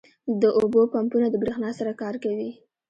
• د اوبو پمپونه د برېښنا سره کار کوي.